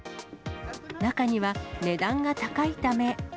中には値段が高いため。